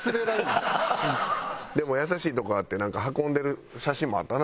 でも優しいとこあって運んでる写真もあったな。